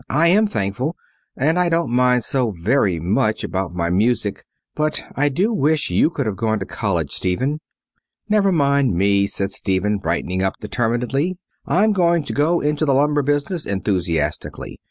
I am thankful. And I don't mind so very much about my music. But I do wish you could have gone to college, Stephen." "Never mind me," said Stephen, brightening up determinedly. "I'm going to go into the lumber business enthusiastically.